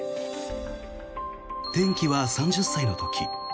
転機は３０歳の時。